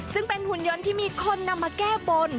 ซึ่งเป็นหุ่นยนต์ที่มีคนนำมาแก้บน